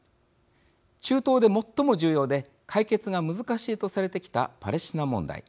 中東で最も重要で解決が難しいとされてきたパレスチナ問題。